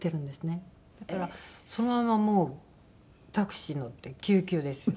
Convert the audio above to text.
だからそのままもうタクシーに乗って救急ですよ。